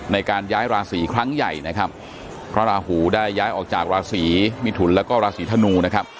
ในการย้ายราศีครั้งใหญ่นะครับพระราหูได้ย้ายออกจากราศีมิถุนแล้วก็ราศีธนูนะครับ